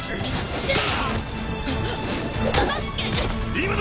今だ！